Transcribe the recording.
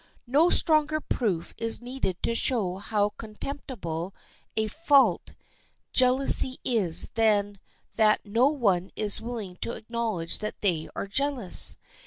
No stronger proof is needed to show how contemptible a fault jealousy is than that no one is willing to acknowledge that they are jealous.